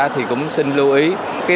thì cũng xin lưu ý